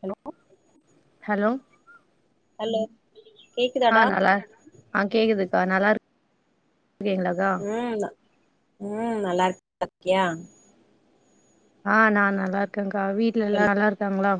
Hello hello hello ஆ கேக்குதாடா நலா ஆ கேக்குது அ நல்லா இருக் ம் ம் நல்லா இருக் நல்லா இர்க்கியா ஆ நா நல்லா இருக்கேகா வீட்ல எல்லா நல்லா இருக்காங்ளா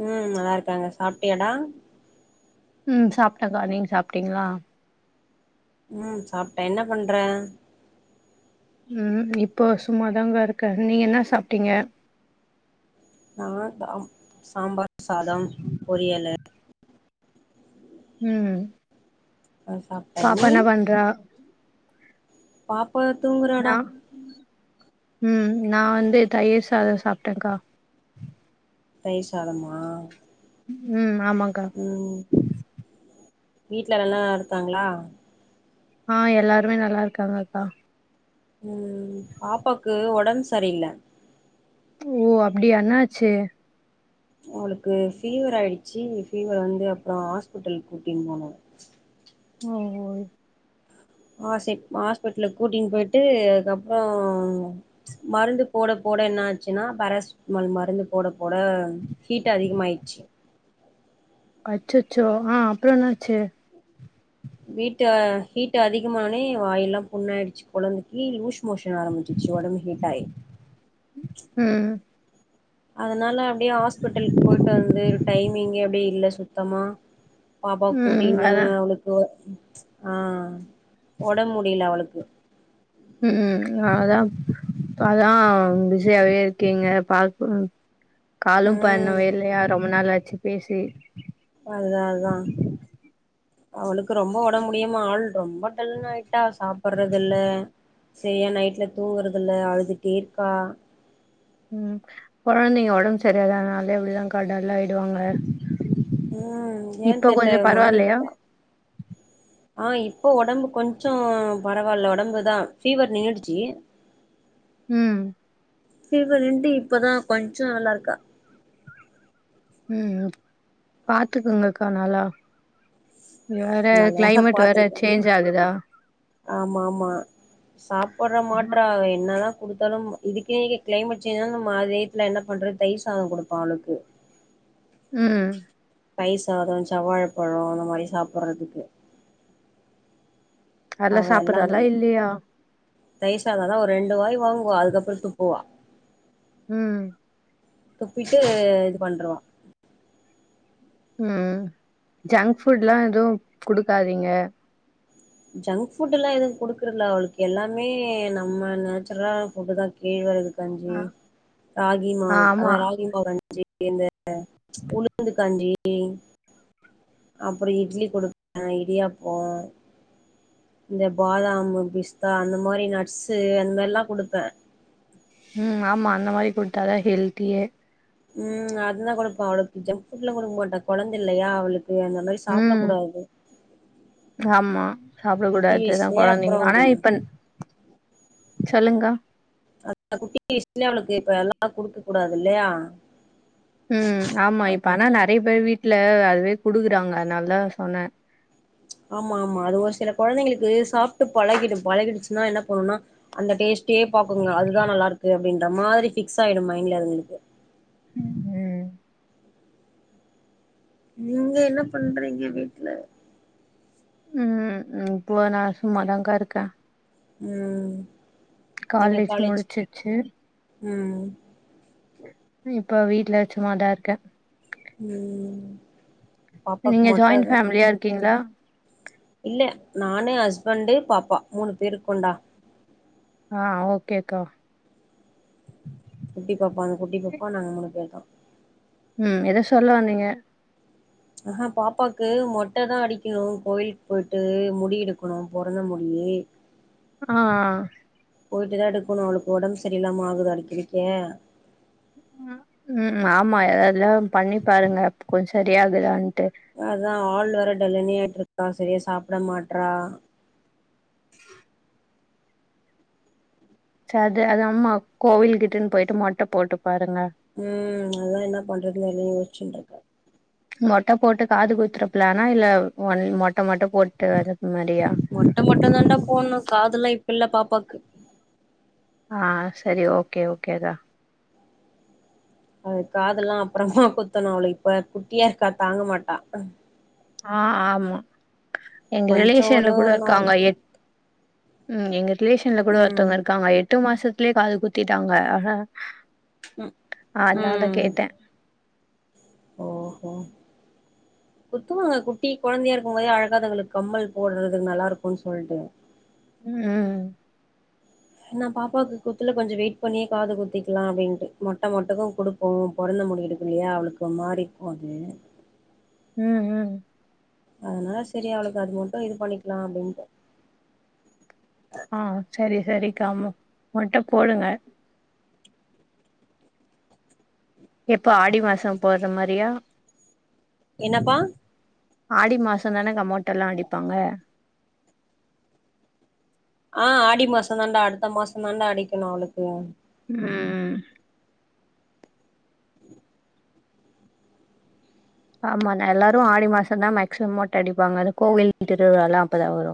ம் நல்லாருக்காங்க சாப்டியாடா ம் சாப்டக்கா நீங்க சாப்டீங்ளா ம் சாப்ட்டே என்ன பண்ற ம் இப்போ சும்மாதா கா இருக்க நீங்க என்ன சாப்ட்டிங்க நா தம் சாம்பார் சாதம் பொரியலு ம் அ சாப்ட்டே பாப்பா என்ன பண்றா பாப் நா ம் நா வந்து தயிர் சாதொ சாப்டங் க்கா தயிர் சாதமா ம் ஆமாக்கா ம் வீட்ல நல்லா இருக்காங்ளா ஆ எல்லாருமே நல்லாருக்காங்கக்கா ம் பாப்பாக்கு ஒடம்பு சரியில்ல ஓ அப்டியா என்னாச்சி அவுளுக்கு ஃபீவராடுயிச்சு ஃபீவர் வந்து அப்றோ ஹாஸ்பிட்டலுக் கூட்டின் போனோ ஓ ஓ ஆ சிப் ஹாஸ்பெட்லுக்கு கூட்டின் போயிட்டு அதுக்கப்றோ மருந்து போட போ போட என்னாச்சுனா பேராசிட்மால் மருந்து போட போட ஹீட் அதிகமாயிச்சு அச்சச்சோ ஆ அப்றோ என்னாச்சு வீட்ட ஹீட் அதிகமானே வாய்யெல்லா புண்ணாயிடுச்சு கொழந்திக்கு லூஸ் மோஷன் ஆரம்பிச்சு ச்சு ஒடம்பு ஹீட்டாயி ம் அதனால அப்டே ஹாஸ்பெட்டல்க் போயிட்டு வந்து டைமிங்கே அப்டே இல்ல சுத்தமா பாப்பா ம் கூட்டின்னு அதா அவுளுக்கு ஆ ஒடம் முடில அவுளுக்கு ம் ம் அதா அதா பிசியாவே இருக்கீங்க பால் [unintelligible] காலு ம் பண்ணவே இல்லயா ரொம்ப நாளாச்சு பேசி அதுதா அதா அவுளுக்கு ரொம்போ ஒடம் முடியாம ஆள் ரொம்ப டல்லாய்ட்டா சாப்புர்றது இல்ல செரியா நைட்ல தூங்றதுல்ல அழுதுட்டேருக்கா ம் கொழந்தைங்க ஒடம்பு செரி இல்லானாலே அப்டிதா கா டல் ஆயிடுவாங்க ம் ஏன் இப்ப தெர்ல கொஞ்சம் ஒரு மாரி பரவாயில்லையா? இருக்கா ஆ இப்போ ஒடம்பு கொஞ்சோ பரவால்ல ஒடம்பு தா ஃபீவர் நின்னுடுச்சி ம் ஃபீவர் நின்ட்டு இப்பதா கொஞ்சோ நல்லாருக்கா ம் பாத்துக்கங்க கா நல்லா இங்க வேற நல்லாதா கிளைமேட் வேற பாத்துருக்கே சேஞ்ச் ஆகுதா ஆமா ஆமா சாப்பட்ற மாட்றா அவ என்னதா குடுத்தாலு இதுக்கே இங்க கிளைமேட் சேஞ்ச் [unintelligible] நம்ம வீட்ல என்ன பண்றது தயிர் சாதம் குடுப்போ அவுளுக்கு ம் தயிர் சாதொ செவ்வாழ பழோ அந்த மாரி சாப்புர்றதுக்கு அதெல்லாம் அவ எல்லாமே சாப்பிடுறாளா? இல்லையா? தயிர் சாதாதா ஒரு ரெண்டு வாய் வாங்குவா அதுக்கப்றோ துப்புவா ம் துப்பிட்டு இது பண்ருவா ம் ஜங்க் ஃபுட்லா எதுவு குடுக்காதிங்க ஜங்க் ஃபுட்லா எதுவு குடுக்குறல அவுளுக்கு எல்லாமே நம்ம நேச்சுரலான ஃபுட்டு தா கேழ் வரகு ஆ கஞ்சி ராகி மாவு ஆமா. அதா ராகி மாவு கஞ்சி இந்த த உளுந்து கஞ்சி அப்பறோ இட்லி குடுப்ப இடியாப்போ இந்த பாதாம் பிஸ்தா அந்த மாரி நட்ஸ்சு அந்த எல்லா குடுப்பே ம் ஆமா அந்த மாரி குடுத்தாதா ஹெல்த்தியே ம் அதுதா குடுப்போ அவளுக்கு ஜங்க் ஃபுட்லா குடுக்க மாட்டா கொழந்தில்லையா அவளுக்கு ஏ அந்த மாரி சாப்ட ம். கூடாது ஆமா சாப்ட கூடாதுதா வயசுலயே அப்புறோ கொழந்தைங்களு ஆனா இப்ப சொல்லுங்கா அந்த குட்டி விஷயத்துலையு அவளுக்கு இப்ப எல்லா குடுக்க கூடாது இல்லையா ம் ஆமா இப்ப அது ஆனா நெறைய பேர் வீட் ட்ல அதுவே குடுக்குறாங்க அதுனால தா சொன்னே ஆமாம்மா அது ஒரு சில கொழந்தைங்களுக்கு சாப்ட்டு பழகிடு பழகிடுச்சுன்னா என்ன பண்ணுனா அந்த டேஸ்ட் டே பாக்குங்க அதுதா நல்லா இருக்கு அப்டின்ற மாரி ஃபிக்ஸ் ஆயிடு மைண்ட்ல அதுங்களுக்கு ம் ம் நீங்க என்ன பண்றீங்க வீட்ல ம் ம் இப்போ நா சும்மாதாங்கா இருக்கே ம் காலேஜ் முடிச்சிச்சு ம் இப்போ வீட்ல சும்மாதா இருக்கே ம் பாப்பாக்கு நீங்க ஜாயிண்ட் மொட்டதா ஃபேமிலியா இருக்கீங்களா இல்ல நானு ஹஸ்பண்ட்டு பாப்பா மூணு பேர் இருக்கோன்டா ஆ ஓகேக்கா குட்டி பாப்பா அந்த குட்டி பாப்பா நாங்க மூணு பேர்தா ம் எதோ சொல்ல வந்தீங்க ஆ ஹா பாப்பாக்கு மொட்டதா அடிக்கணு கோயிலுக்கு போயிட்டு முடி எடுக்கணு பொறந்த முடி ஹே ஆ ஆ போயிட்டு தா எடுக்கணு அவளுக்கு ஒடம்பு சரியில்லாம ஆகுது அடிக்கடிக்க ம் ம் ஆமா எல்லாம் பண்ணி பாருங்க கொஞ்ச சரியாகுதானு அதா ஆள் வரட்டு இல்லனியாட்ருக்கா செரியா சாப்ட மாட்றா ச அது அது அம்மா கோவில் கிட்டுன்னு பொயிட்டு மொட்ட போட்டோ ம் அதா என்ன பண்றதுனு எல்லா யோசுச்சுன்ருக்க மொட்ட போட்டு காது குத்துற ஃப்லானா இல்ல ஒன் மொட்ட மட்டு போட்டு வர மொட்ட மட்டுந்தண்டா போடணு காதுலா இப்ப இல்ல பாப்பாக்கு ஆ செரி ஓகே ஓகேதா அது காதுலா அப்பறமா குத்தணு அவளுக்கு இப்ப குட்டியா இருக்கா தாங்க மாட்டா ஆ ஆமா எங்க கொஞ்சோ ரிலேஷியன்ல ஒரு கூட நாள் இருக்காங்க எட் ம் எங்க ரிலேஷியஷன்ல கூட ம் ஒருத்தொவங்க இருக்காங்க எட்டு மாசத்துலயே காது குத்திட்டாங்க அ ஹ ம் அதுனால தா கேட்டே ஓ ஹோ குத்துவாங்க குட்டி கொழந்தையா இருக்கும் போதே அழகா அதுங்களுக்கு கம்மல் போடுறதுக்கு நல்லா இருக்குன்னு சொல்ட்டு ம் ம் நா பாப்பாவுக்கு குத்துல கொஞ்ச வெயிட் பண்ணியே காது குத்திக்கலாம் அப்டின்ட்டு மொட்ட மட்டுந்தா குடுப்போ பொறந் ந்த முடி எடுக்கலையா அவளுக்கு ஒரு மாறி இருக்கூ அது ம் ம் அதுனால செரி அவளுக்கு அது மட்டு இது பண்ணிக்கலா அப்டின்ட்டு ஆ சரி சரி கம்மு மொட்ட போடுங்க எப்போ ஆடி மாசம் போற மாரியா என்னப்பா ஆடி மாசந்தானக மொட்டலா அடிப்பாங்க ஆ ஆடி மாசந்தாண்டா அடுத்த மாசந்தாண்டா அடிக்கணு அவுளுக்கு ம் ஆமா ந எல்லாரு ஆடி மாசந்தா மேக்சிமம் மொட்டடிப்பாங்க அது கோவில் திருவிழாலா அப்பதா வரு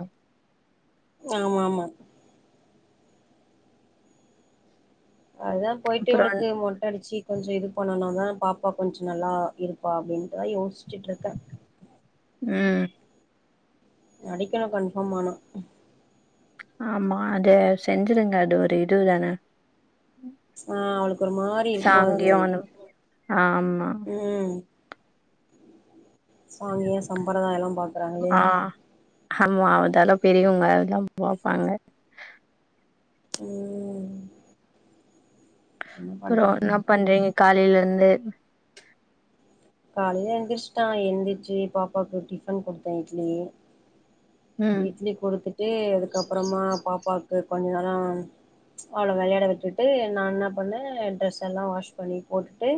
ஆமாமா அதா போய்ட்டு அப்புறோ இவுளுக்கு மொட்டடிச்சு கொஞ்ச இது பண்ணுனாதா பாப்பா கொஞ்ச நல்லா இருப்பா அப்டின்ட்டுதா யோசிச்ட்ருக்க ம் அடிக்கணு கன்ஃபார்ம் ஆனா ஆமா அது செஞ்சிருங்க அது ஒரு இதுதான ஆ அவுளுக்கு ஒரு மாரி இருக்கு அது சாங்கியோனு ஆமா ம் சாங்கிய சம்பரதாயலா பாக்கறாங் ஆ இல்லையா ஆமா அதெலா பெரியவங்க அதெல்லா பாப்பாங்க ம் என்ன அப்ற பண்றது என்ன பண்றிங்க காலைலிருந்து காலைல எந்ரிச்ட்டா எந்ருச்சி பாப்பாக்கு டிஃபன் குடுத்தே இட்லி ம் இட்லி குடுத்துட்டு அதுக்கப்றமா பாப்பாக்கு கொஞ்ச நேர அவள விளையாட விட்டுட்டு நா என்ன பண்ணே ட்ரெஸ் எல்லா வாஷ் பண்ணி போட்டுட்டு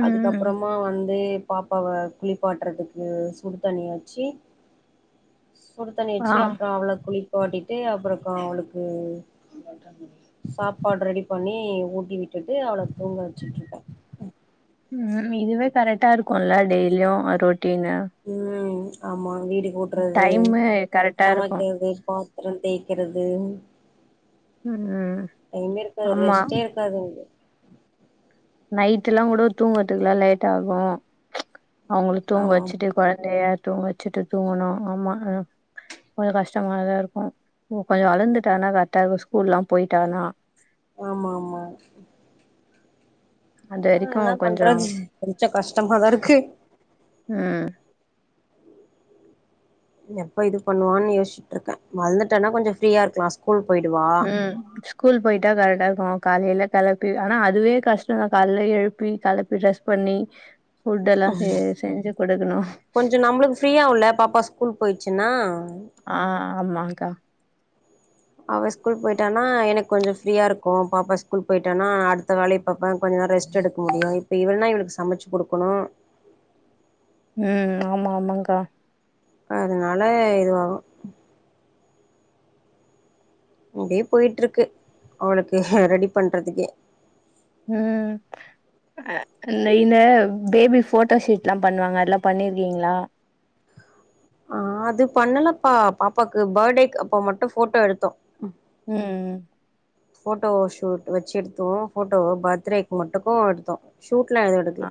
ம் அதுக்கப்றமா வந்து பாப்பாவ குளிப்பாட்றதுக்கு சுடு தண்ணிய வச்சி சுடு தண்ணி ஆ வச்சி அப்ற அவள குளிப்பாட்டிட்டு அப்பற அவுளுக்கு சாப்பாடு ரெடி பண்ணி ஊட்டி விட் ட்டு அவள தூங்க வச்சுட்ருப்ப ம் இதுவே கரெக்டா இருக்குல டெய்லியு ரொட் ம் ஆமா வீடு கூட்றது டைமு கரெக்டா இருக்கு சமைக்றது பாத் தர தேக்கறது ம் டைமே இருக்காது ஆமா ரெஸ்ட்டே இருக்காது இங்கு நைட் எல்லா கூட தூங்கறதுக்லா லேட் ஆகு அவுங்கள தூங்க ஆமா வச்சுட்டு கொழந்தைய தூங்க வச்சுட்டு தூங்கணு ஆமா அ கொஞ்ச கஷ்டமாதா இருக்கு கொஞ்ச வளந்துட்டானா கரெட்டா இருக்கு ஸ்கூல்லா போய்ட்டானா ஆமாமா அது அ வரைக்கு என்ன கொஞ்சோ பண்றது கொஞ்ச கஷ்டமாதா இருக்கு ம் எப்ப இது பண்ணுவான் யோசிச்ட்டு இருக்க வளந்துட்டானா கொஞ்ச ஃப்ரீயா இருக்லா ம் ஸ்கூல் போய்ட்டா கரெட்டா இருக்கு காலைல கெளப்பி ஆனா அதுவே கஷ்டதா காலைல எழுப்பி கெளப்பி ட்ரெஸ் பண்ணி ஃபுட் எல்லா செ செஞ்சு குடுக்கணு கொஞ்ச நம்முளுக்கு ஃப்ரீயாவுல்ல பாப்பா ஸ்கூல் போய்ச்சுனா ஆ ஆமாங்க்கா அவ ஸ்கூல் போய்ட்டானா எனக்கு கொஞ்ச ஃப்ரீயா இருக்கு பாப்பா ஸ்கூல் போய்ட்டானா அடுத்த வேலைய பாப்ப கொஞ் ரெஸ்ட் எடுக்க முடியு இப்ப இவனா இவுளுக்கு சமச்சு குடுக்கணு ம் ஆமா ஆமாங்க்கா அதனால இதுவாகு இப்டியே போயிட்ருக்கு அவளுக்கு ரெடி பண்றதுக்கே ம் அ நெய்ன பேபி ஃபோட்டோஷூட்லா பண்ணுவாங்க அதெல்லா பண்ணிருக்கிங்ளா ஆஹ ஆ அது பண்ணலப்ப பாப்பாக்கு பர்த்டேக் அப்ப மட்டு ஃபோட்டோ எடுத்தோ ம் ஃபோட்டோ ஷூட் வச்செடுத்தோ ஃபோட்டோவ பர்த்டேக்கு மட்டுக்கு எடுத்தோ ஷூட்லா எது அ எடுக்கல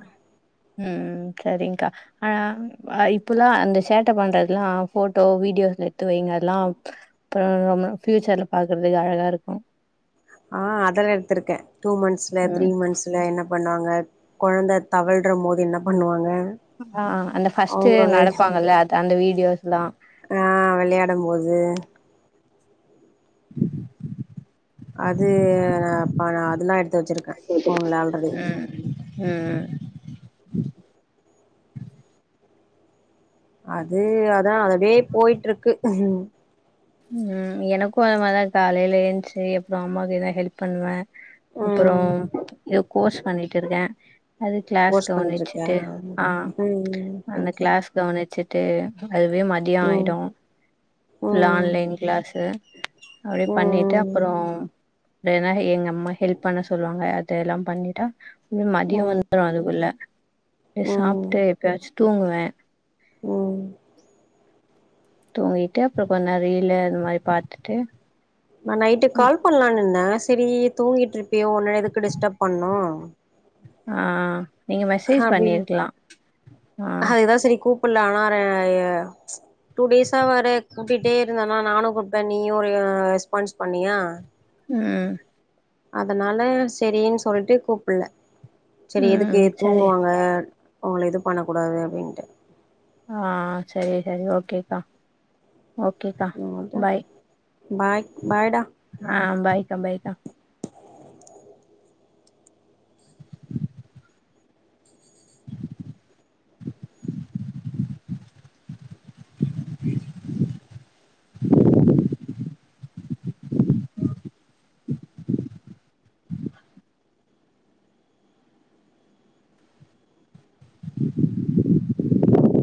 ம் சரிங்க்கா ஆ இப்பல்லா அந்த சேட்ட பண்றது எல்லா ஃபோட்டோ வீடியோஸ் எடுத்து வைங்க அதுல்லா அப்புற நம்ம ஃபியூச்சர்ல பாக்குறதுக்கு அழகா இருக்கூ ஆ அதெல்லா எடுத்திருக்கே டூ மந்த்ஸ்ல த்ரீ ம் மந்த்ஸ்ல என்ன பண்ணுவாங்க கொழந்த தவழ்ற மோது என்ன பண்ணுவாங்க ஆ அந்த ஃபஸ்ட் அவங்க வெள் நடப்பாங்கல்ல அத அந்த வீடியோஸ்ல்லா ஆ விளையாடும் போது அது நாப்ப நா அதெல்லா எடுத்து வச்சிருக்க ஃபோன்ல ஆல்ரெடி ஹ அது அதா அதவே போயிட்ருக்கு ம் ம் எனக்கூ அது மாரிதா காலையில எந்ச்சி அப்றோ அம்மாக்கு எதா ஹெல்ப் பண்ணுவே அப்புறோ ம் எதோ கோர்ஸ் பண்ணிட்டு இருக்கேன் அது கிளாஸ் கோர்ஸ் பண்ணிட்ருக்கியா கவனிச்சுட்டு ஆ ம் அந்த ஓகே கிளாஸ் கவனிச்சுட்டு ட்டு அதுவே மதிய ம் ஆயிடு ஃபுல்லா ம் ஆன்லைன் கிளாஸு அப்டியே பண்ணிட்டு ம் அப்பறோ வேறனா எங்க அம்மா ஹெல்ப் பண்ண சொல்லுவாங்க அத எல்லாம் பண்ணிட்டா மதியம் ம் வந்துரு அதுக்குள்ள பே ம் சாப்ட்டு எப்பயாச்சு தூங்குவே ம் தூங்கிட்டு அப்றோ கொஞ்சநேர ரீலு இந்த மாரி பாத்துட்டு நா நைட்டு கால் பண்ணலாம்னுந்த சரி தூங்கிட்டு இருப்பியோ உன்னே எதுக்கு டிஸ்டர்ப் பண்ணும் ஆ நீங்க மெசேஜ் அப்டின் பண்ணிருக்லா ஆ கூப்புல்ல ஆனா ரெ டூ டேஸா வேற கூட்டிட்டே இருந்தனா நானும் கூ இப்ப நீயு ஒரு ரெஸ்பான்ஸ் பண்ணியா [unintelligible] அதனால செரின் சொல்ட்டு கூப்புல செரி எதுக்கு ம் சரி தூங்குவாங்க உங்கள இது பண்ண கூடாது அப்டின்ட்டு ஆ சரி சரி ஓகேக்கா ஓகேக்கா அதா பாய் பாய் பாய்டா ஆம் பாய்க்கா பாய்க்கா [unintelligible] [unintelligible]